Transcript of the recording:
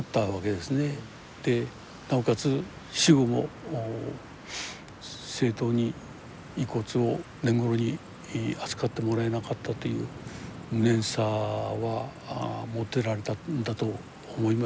なおかつ死後も正当に遺骨をねんごろに扱ってもらえなかったという無念さは持っておられたんだと思います。